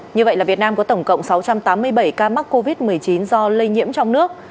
như vậy là việt nam có tổng cộng sáu trăm tám mươi bảy ca mắc covid một mươi chín do lây nhiễm trong nước